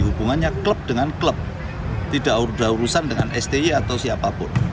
hubungannya klub dengan klub tidak ada urusan dengan sti atau siapapun